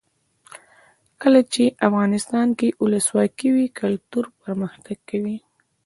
کله چې افغانستان کې ولسواکي وي کلتور پرمختګ کوي.